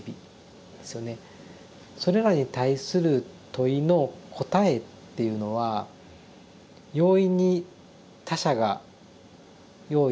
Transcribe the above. それらに対する問いの答えっていうのは容易に他者が用意できるものではない。